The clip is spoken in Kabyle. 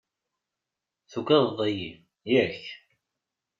Tugadeḍ-iyi, yak?